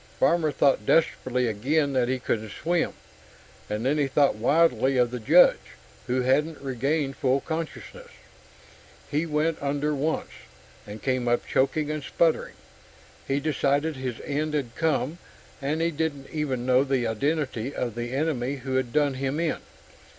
Farmer thought desperately again that he couldn't swim, and then he thought wildly of the Judge, who hadn't regained full consciousness. He went under once, and came up choking and sputtering. He decided his end had come and he didn't even know the identity of the enemy who had done him in.